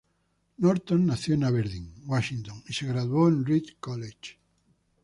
Norton nació en Aberdeen, Washington y se graduó en "Reed College".